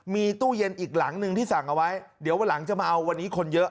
มีตู้เย็นอีกหลังหนึ่งที่สั่งเอาไว้เดี๋ยววันหลังจะมาเอาวันนี้คนเยอะ